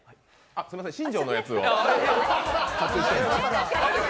すみません、新庄のやつを。